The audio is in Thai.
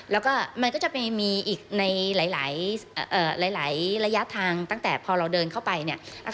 แล้วก็มันก็จะไปมีอีกในหลายระยะทางตั้งแต่พอเราเดินเข้าไปเนี่ย